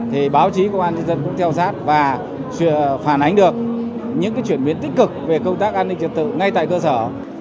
thì báo chí công an nhân dân cũng theo sát và phản ánh được những chuyển biến tích cực về công tác an ninh trật tự ngay tại cơ sở